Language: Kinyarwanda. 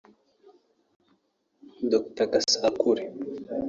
Dr Gasakure